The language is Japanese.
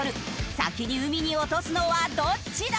先に海に落とすのはどっちだ！？